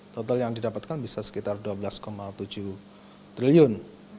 total yang didapatkan bisa sekitar dua belas tujuh triliun